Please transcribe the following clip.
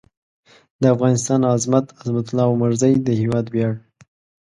د افغانستان عظمت؛ عظمت الله عمرزی د هېواد وېاړ